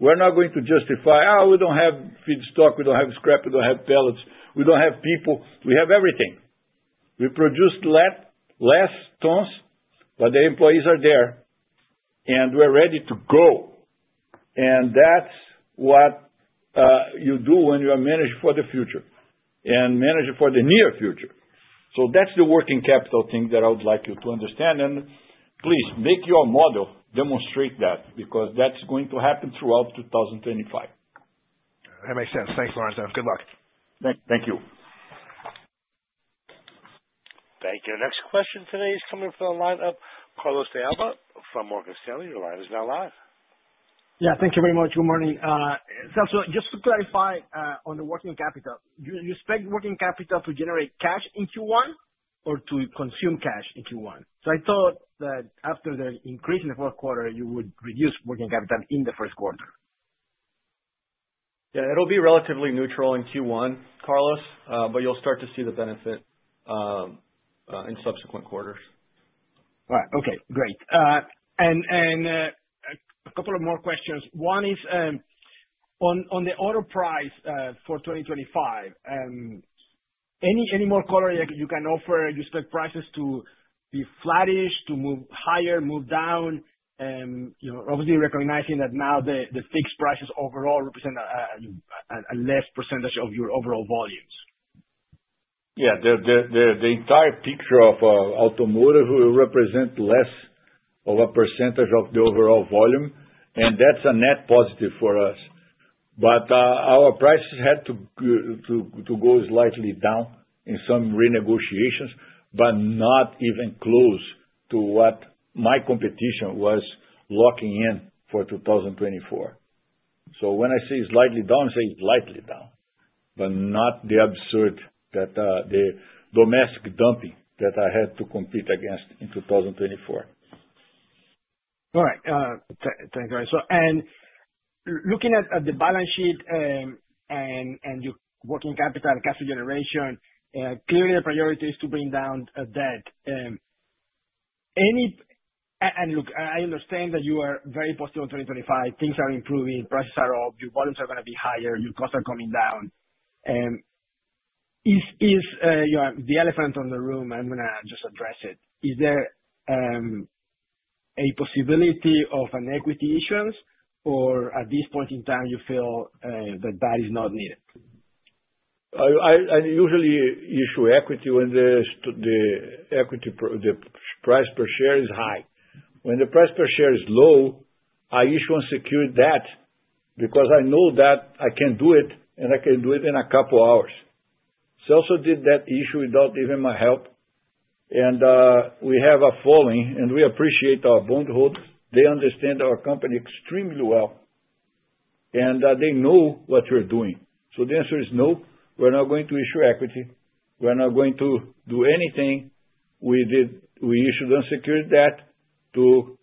We're not going to justify, "Oh, we don't have feedstock. We don't have scrap. We don't have pellets. We don't have people. We have everything." We produce less tons, but the employees are there. And we're ready to grow. That's what you do when you are managing for the future and managing for the near future. That's the working capital thing that I would like you to understand. Please make your model demonstrate that because that's going to happen throughout 2025. That makes sense. Thanks, Lourenco. Good luck. Thank you. Thank you. Next question today is coming from the lineup, Carlos De Alba from Morgan Stanley. Your line is now live. Yeah. Thank you very much. Good morning. Celso, just to clarify on the working capital, you expect working capital to generate cash in Q1 or to consume cash in Q1? So I thought that after the increase in the fourth quarter, you would reduce working capital in the first quarter. Yeah. It'll be relatively neutral in Q1, Carlos, but you'll start to see the benefit in subsequent quarters. All right. Okay. Great. A couple of more questions. One is on the order price for 2025, any more color you can offer? You expect prices to be flattish, to move higher, move down, obviously recognizing that now the fixed prices overall represent a less percentage of your overall volumes? Yeah. The entire picture of automotive will represent less of a percentage of the overall volume, and that's a net positive for us. But our prices had to go slightly down in some renegotiations, but not even close to what my competition was locking in for 2024. So when I say slightly down, I say slightly down, but not the absurd that the domestic dumping that I had to compete against in 2024. All right. Thanks, Lourenco. Looking at the balance sheet and your working capital, cash generation, clearly the priority is to bring down debt. Look, I understand that you are very positive on 2025. Things are improving. Prices are up. Your volumes are going to be higher. Your costs are coming down. The elephant in the room, I'm going to just address it. Is there a possibility of an equity issuance, or at this point in time, you feel that that is not needed? I usually issue equity when the price per share is high. When the price per share is low, I issue unsecured debt because I know that I can do it, and I can do it in a couple of hours. Celso did that issue without even my help. We have a following, and we appreciate our bondholders. They understand our company extremely well, and they know what we're doing. The answer is no. We're not going to issue equity. We're not going to do anything. We issued unsecured debt to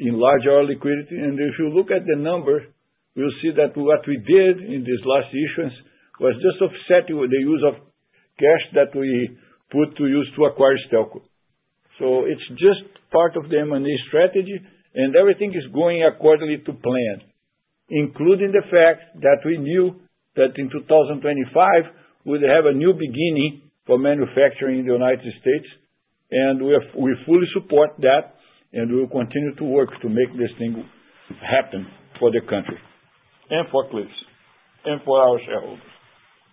enlarge our liquidity, and if you look at the numbers, you'll see that what we did in this latest issuance was just offsetting the use of cash that we put to use to acquire Stelco. So it's just part of the M&A strategy, and everything is going according to plan, including the fact that we knew that in 2025, we would have a new beginning for manufacturing in the United States, and we fully support that, and we will continue to work to make this thing happen for the country and for Cliffs and for our shareholders.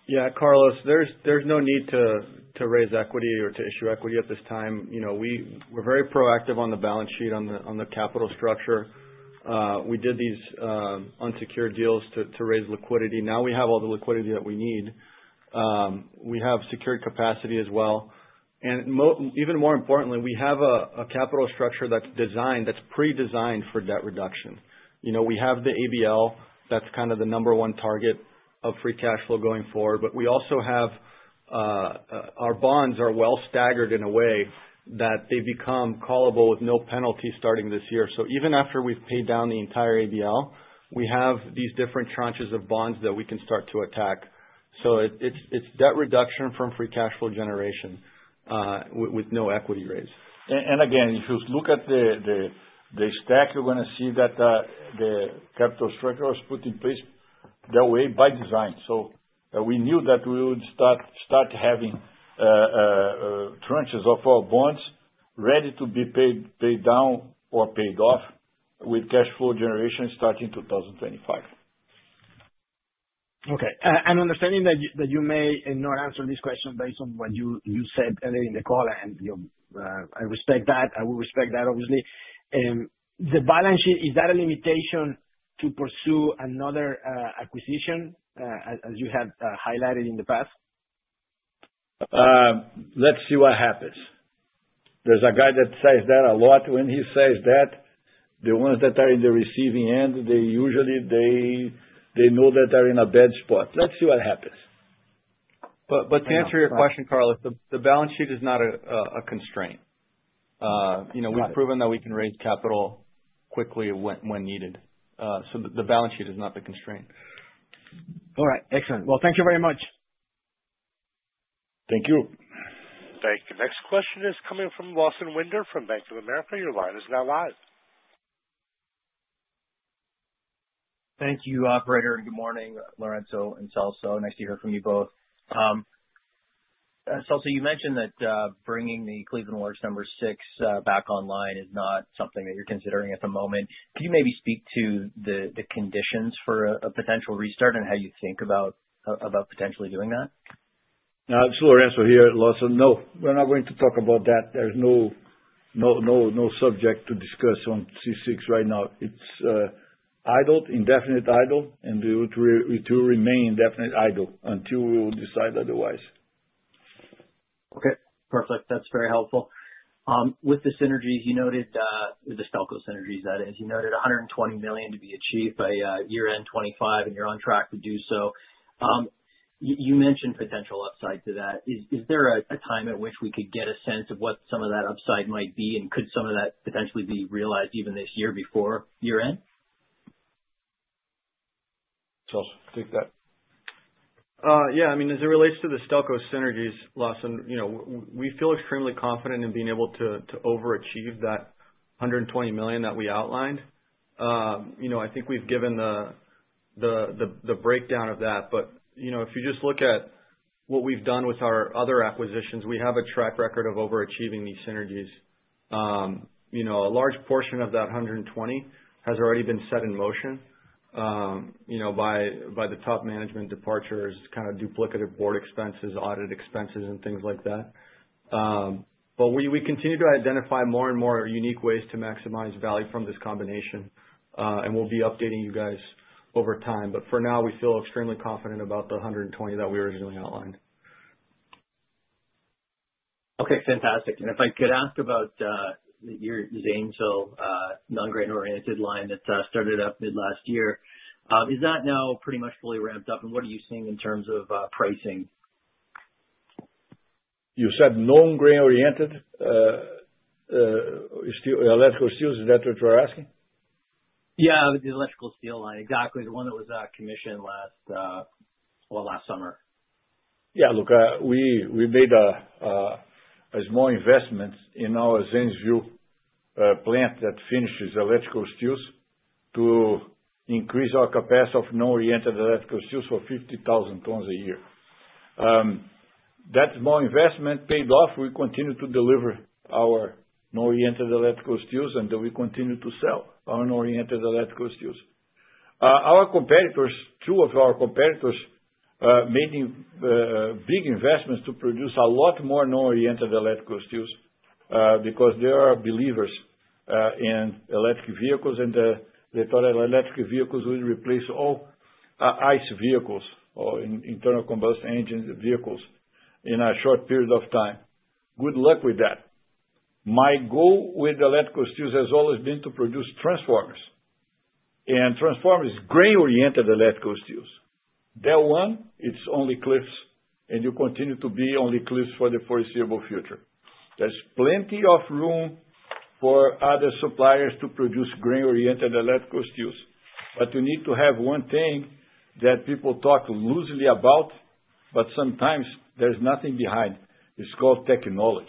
Yeah. Carlos, there's no need to raise equity or to issue equity at this time. We're very proactive on the balance sheet, on the capital structure. We did these unsecured deals to raise liquidity. Now we have all the liquidity that we need. We have secured capacity as well, and even more importantly, we have a capital structure that's pre-designed for debt reduction. We have the ABL that's kind of the number one target of free cash flow going forward, but we also have our bonds are well staggered in a way that they become callable with no penalty starting this year, so even after we've paid down the entire ABL, we have these different tranches of bonds that we can start to attack, so it's debt reduction from free cash flow generation with no equity raise. And again, if you look at the stack, you're going to see that the capital structure was put in place that way by design, so we knew that we would start having tranches of our bonds ready to be paid down or paid off with cash flow generation starting 2025. Okay. I understand that you may not answer this question based on what you said earlier in the call, and I respect that. I will respect that, obviously. The balance sheet, is that a limitation to pursue another acquisition as you have highlighted in the past? Let's see what happens. There's a guy that says that a lot. When he says that, the ones that are in the receiving end, usually they know that they're in a bad spot. Let's see what happens. But to answer your question, Carlos, the balance sheet is not a constraint. We've proven that we can raise capital quickly when needed. So the balance sheet is not the constraint. All right. Excellent. Well, thank you very much. Thank you. Thank you. Next question is coming from Lawson Winder from Bank of America. Your line is now live. Thank you, Operator. Good morning, Lourenco, and Celso. Nice to hear from you both. Celso, you mentioned that bringing the Cleveland's number six back online is not something that you're considering at the moment. Can you maybe speak to the conditions for a potential restart and how you think about potentially doing that? It's Lourenco, here, Lawson. No, we're not going to talk about that. There's no subject to discuss on C6 right now. It's idle, indefinite idle, and we will remain indefinite idle until we will decide otherwise. Okay. Perfect. That's very helpful. With the synergies, you noted the Stelco synergies that, as you noted, $120 million to be achieved by year-end 2025, and you're on track to do so. You mentioned potential upside to that. Is there a time at which we could get a sense of what some of that upside might be, and could some of that potentially be realized even this year before year-end? Celso, take that. Yeah. I mean, as it relates to the Stelco synergies, Lawson, we feel extremely confident in being able to overachieve that $120 million that we outlined. I think we've given the breakdown of that. But if you just look at what we've done with our other acquisitions, we have a track record of overachieving these synergies. A large portion of that $120 million has already been set in motion by the top management departures, kind of duplicative board expenses, audit expenses, and things like that. But we continue to identify more and more unique ways to maximize value from this combination, and we'll be updating you guys over time. But for now, we feel extremely confident about the 120 that we originally outlined. Okay. Fantastic. And if I could ask about your Zanesville non-oriented line that started up mid-last year, is that now pretty much fully ramped up? And what are you seeing in terms of pricing? You said non-oriented electrical steel? Is that what you're asking? Yeah, the electrical steel line. Exactly. The one that was commissioned last, well, last summer. Yeah. Look, we made a small investment in our Zanesville plant that finishes electrical steels to increase our capacity of non-oriented electrical steels for 50,000 tons a year. That small investment paid off. We continue to deliver our non-oriented electrical steels, and we continue to sell our non-oriented electrical steels. Our competitors, two of our competitors, made big investments to produce a lot more non-oriented electrical steels because they are believers in electric vehicles, and they thought electric vehicles would replace all ICE vehicles or internal combustion engine vehicles in a short period of time. Good luck with that. My goal with electrical steels has always been to produce transformers. And transformers, grain-oriented electrical steels. That one, it's only Cliffs, and you continue to be only Cliffs for the foreseeable future. There's plenty of room for other suppliers to produce grain-oriented electrical steels, but you need to have one thing that people talk loosely about, but sometimes there's nothing behind. It's called technology.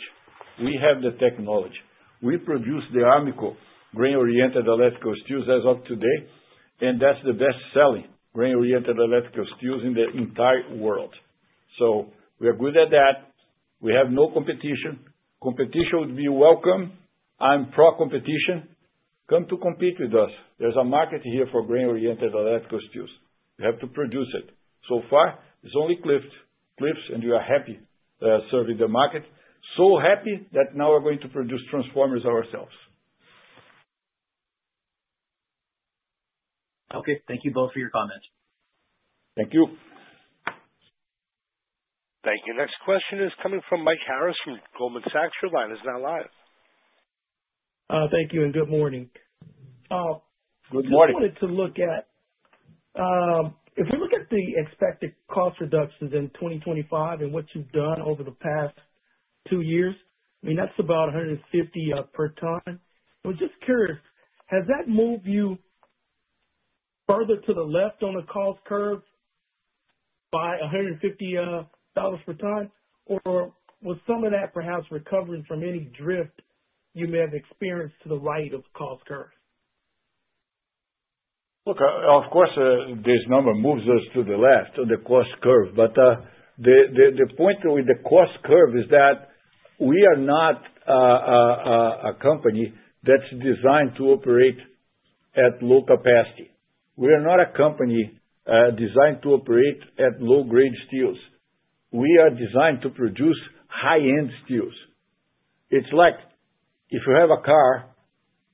We have the technology. We produce the Armco grain-oriented electrical steels as of today, and that's the best-selling grain-oriented electrical steels in the entire world. So we are good at that. We have no competition. Competition would be welcome. I'm pro-competition. Come to compete with us. There's a market here for grain-oriented electrical steels. You have to produce it. So far, it's only Cliffs. Cliffs, and we are happy serving the market. So happy that now we're going to produce transformers ourselves. Okay. Thank you both for your comments. Thank you. Thank you. Next question is coming from Mike Harris from Goldman Sachs. Your line is now live. Thank you, and good morning. Good morning. I just wanted to look at, if we look at the expected cost reductions in 2025 and what you've done over the past two years, I mean, that's about $150 per ton. I was just curious, has that moved you further to the left on the cost curve by $150 per ton, or was some of that perhaps recovering from any drift you may have experienced to the right of the cost curve? Look, of course, this number moves us to the left on the cost curve. But the point with the cost curve is that we are not a company that's designed to operate at low capacity. We are not a company designed to operate at low-grade steels. We are designed to produce high-end steels. It's like if you have a car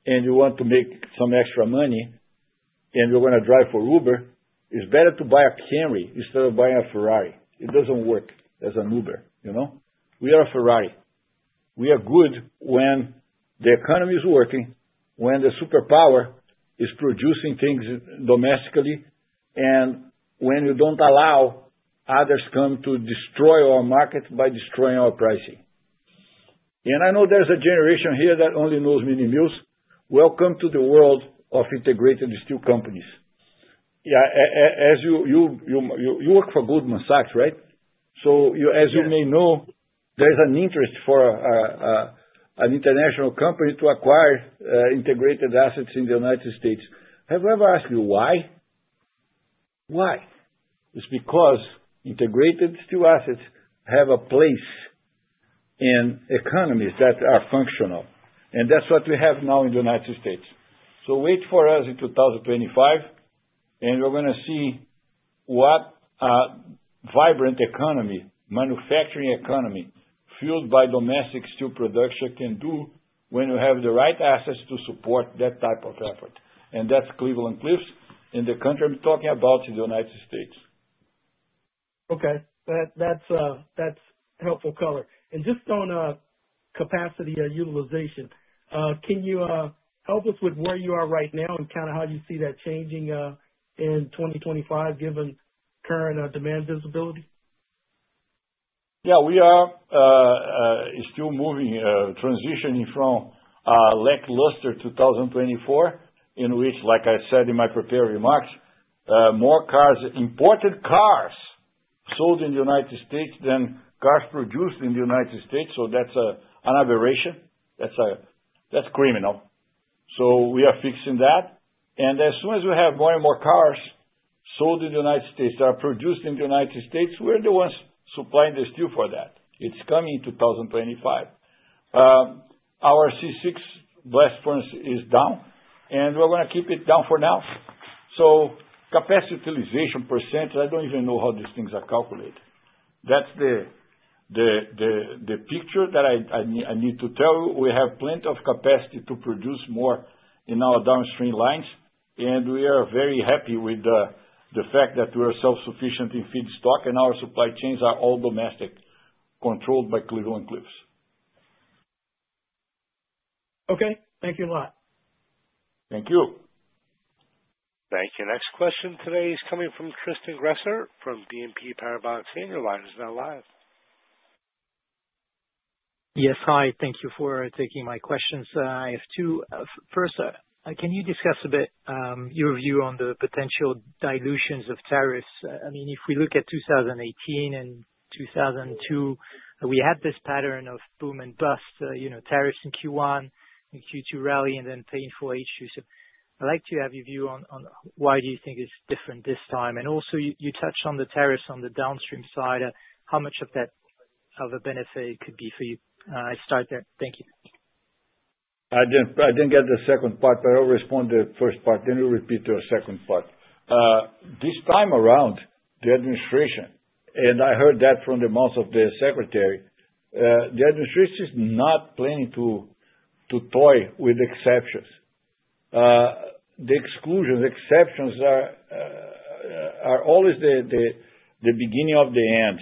and you want to make some extra money and you're going to drive for Uber, it's better to buy a Camry instead of buying a Ferrari. It doesn't work as an Uber. We are a Ferrari. We are good when the economy is working, when the superpower is producing things domestically, and when you don't allow others to come to destroy our market by destroying our pricing, and I know there's a generation here that only knows mini-mills. Welcome to the world of integrated steel companies. Yeah. You work for Goldman Sachs, right? So as you may know, there's an interest for an international company to acquire integrated assets in the United States. Have I ever asked you why? Why? It's because integrated steel assets have a place in economies that are functional, and that's what we have now in the United States, so wait for us in 2025, and you're going to see what a vibrant economy, manufacturing economy, fueled by domestic steel production can do when you have the right assets to support that type of effort. And that's Cleveland-Cliffs in the country I'm talking about, in the United States. Okay. That's helpful color. And just on capacity utilization, can you help us with where you are right now and kind of how you see that changing in 2025 given current demand visibility? Yeah. We are still moving, transitioning from lackluster 2024, in which, like I said in my prepared remarks, more imported cars sold in the United States than cars produced in the United States. So that's an aberration. That's criminal. So we are fixing that. And as soon as we have more and more cars sold in the United States that are produced in the United States, we're the ones supplying the steel for that. It's coming in 2025. Our C6 blast furnace is down, and we're going to keep it down for now. So capacity utilization percentage, I don't even know how these things are calculated. That's the picture that I need to tell you. We have plenty of capacity to produce more in our downstream lines, and we are very happy with the fact that we are self-sufficient in feedstock, and our supply chains are all domestic, controlled by Cleveland-Cliffs. Okay. Thank you a lot. Thank you. Thank you. Next question today is coming from Tristan Gresser from BNP Paribas senior analyst. Is now live. Yes. Hi. Thank you for taking my questions. I have two. First, can you discuss a bit your view on the potential dilutions of tariffs? I mean, if we look at 2018 and 2002, we had this pattern of boom and bust, tariffs in Q1, Q2 rally, and then painful H2. So I'd like to have your view on why do you think it's different this time? And also, you touched on the tariffs on the downstream side. How much of that of a benefit could be for you? I start there. Thank you. I didn't get the second part, but I'll respond to the first part. Then you repeat your second part. This time around, the administration, and I heard that from the mouth of the secretary, the administration is not planning to toy with exceptions. The exclusions, exceptions are always the beginning of the end.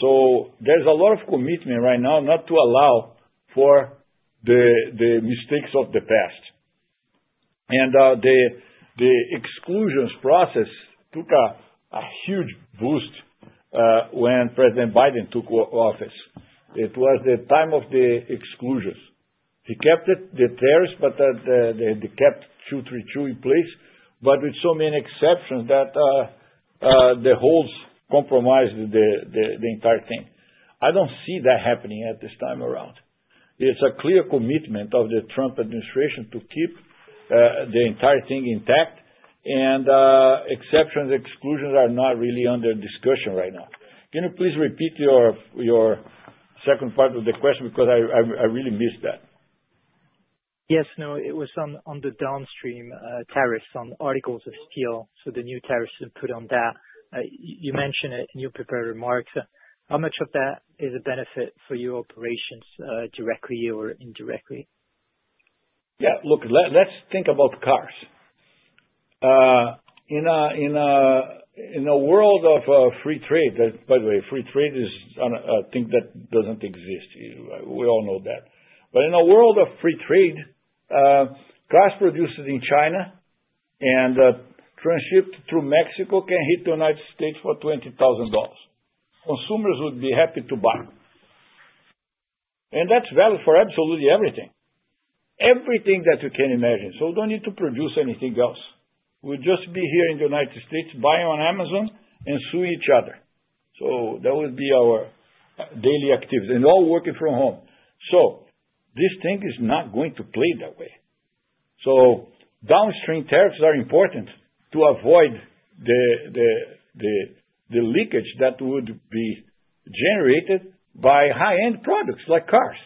So there's a lot of commitment right now not to allow for the mistakes of the past. And the exclusions process took a huge boost when President Biden took office. It was the time of the exclusions. He kept the tariffs, but they kept 232 in place, but with so many exceptions that the holes compromised the entire thing. I don't see that happening at this time around. It's a clear commitment of the Trump administration to keep the entire thing intact, and exceptions and exclusions are not really under discussion right now. Can you please repeat your second part of the question because I really missed that? Yes. No, it was on the downstream tariffs on articles of steel. So the new tariffs are put on that. You mentioned it in your prepared remarks. How much of that is a benefit for your operations directly or indirectly? Yeah. Look, let's think about cars. In a world of free trade that, by the way, free trade is a thing that doesn't exist. We all know that. But in a world of free trade, cars produced in China and transshipped through Mexico can hit the United States for $20,000. Consumers would be happy to buy. And that's valid for absolutely everything, everything that you can imagine. So we don't need to produce anything else. We'll just be here in the United States buying on Amazon and suing each other. So that would be our daily activity. And all working from home. So this thing is not going to play that way. So downstream tariffs are important to avoid the leakage that would be generated by high-end products like cars,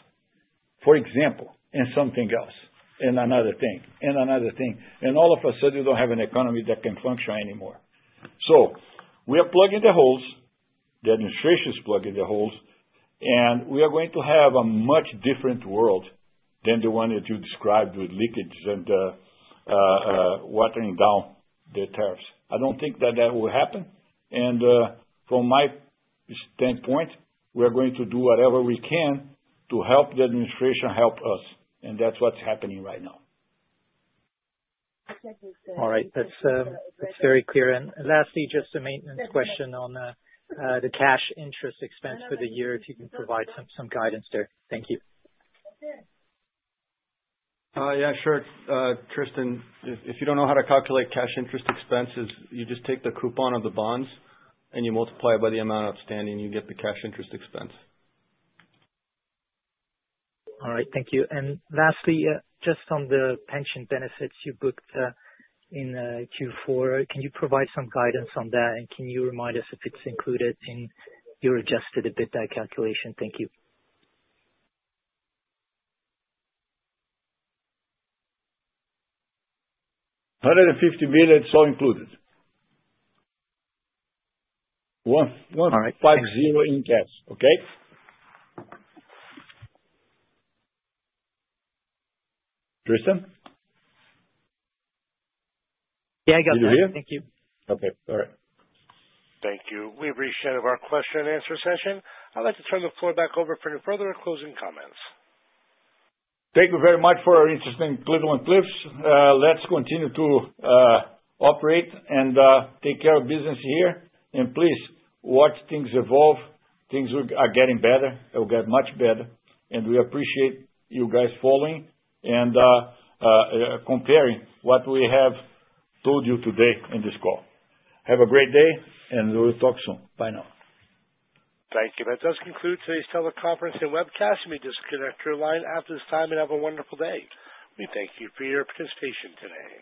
for example, and something else, and another thing, and another thing. And all of a sudden, you don't have an economy that can function anymore. So we are plugging the holes. The administration is plugging the holes, and we are going to have a much different world than the one that you described with leakage and watering down the tariffs. I don't think that that will happen. And from my standpoint, we're going to do whatever we can to help the administration help us. And that's what's happening right now. All right. That's very clear. And lastly, just a maintenance question on the cash interest expense for the year, if you can provide some guidance there. Thank you. Yeah. Sure. Tristan, if you don't know how to calculate cash interest expenses, you just take the coupon of the bonds and you multiply it by the amount outstanding, and you get the cash interest expense. All right. Thank you. And lastly, just on the pension benefits you booked in Q4, can you provide some guidance on that? Can you remind us if it's included in your adjusted EBITDA calculation? Thank you. $150 million. All included. $150 million in cash. Okay? Tristan? Yeah. I got that. Can you hear? Thank you. Okay. All right. Thank you. We appreciate it. End of our question and answer session. I'd like to turn the floor back over for any further closing comments. Thank you very much for your interest in Cleveland-Cliffs. Let's continue to operate and take care of business here. And please watch things evolve. Things are getting better. They'll get much better. And we appreciate you guys following and comparing what we have told you today in this call. Have a great day, and we'll talk soon. Bye now. Thank you. That does conclude today's teleconference and webcast. Let me just disconnect your line after this time and have a wonderful day. We thank you for your participation today.